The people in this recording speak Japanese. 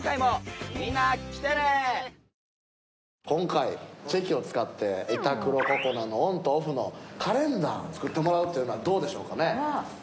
今回チェキを使って『いたくろここなのオンとオフ』のカレンダーを作ってもらうというのはどうでしょうかね？